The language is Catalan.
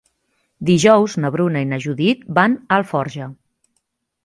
Dijous na Bruna i na Judit van a Alforja.